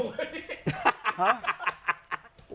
ฮะ